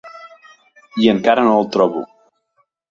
I encara ara no el trobo.